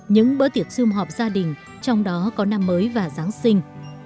những bữa tiệc xung họp gia đình trong đó có năm mới và giáng sinh